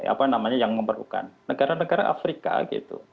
apa namanya yang memerlukan negara negara afrika gitu